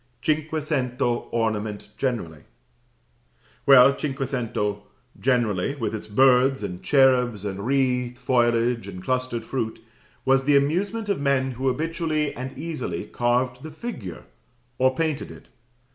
Cinquecento ornament generally. Well, cinquecento generally, with its birds, and cherubs, and wreathed foliage, and clustered fruit, was the amusement of men who habitually and easily carved the figure, or painted it.